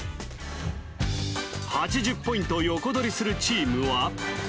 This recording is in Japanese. ８０ポイント横取りするチームは？